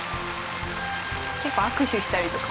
結構握手したりとか。